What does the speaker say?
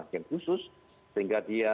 yang khusus sehingga dia